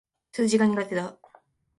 数学が苦手だ。